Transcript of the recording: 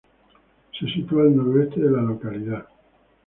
Se sitúa al noroeste de la localidad.